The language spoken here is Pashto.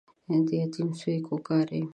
د يتيم سوې کوکارې